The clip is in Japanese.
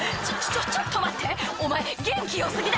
「ちょちょっと待ってお前元気良過ぎだ」